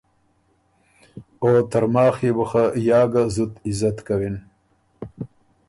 او ترماخ يې بُو خه یا ګۀ زُت عزت کوِن۔